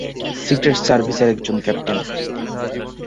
Secret সার্ভিসের একজন captain.